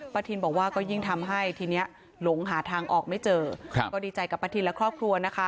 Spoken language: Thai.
ทินบอกว่าก็ยิ่งทำให้ทีเนี้ยหลงหาทางออกไม่เจอครับก็ดีใจกับป้าทินและครอบครัวนะคะ